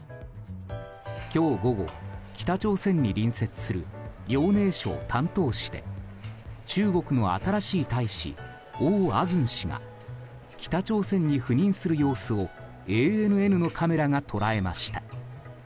今日午後、北朝鮮に隣接する遼寧省丹東市で中国の新しい大使オウ・アグン氏が北朝鮮に赴任する様子をＡＮＮのカメラが捉えました。